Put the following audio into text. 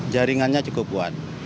jaringannya cukup kuat